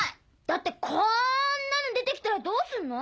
だってこんなの出て来たらどうすんの？